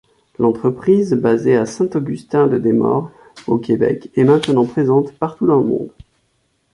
L'entreprise basée à Saint-Augustin-de-Desmaures au Québec est maintenant présente partout dans le monde.